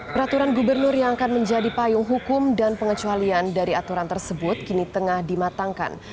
peraturan gubernur yang akan menjadi payung hukum dan pengecualian dari aturan tersebut kini tengah dimatangkan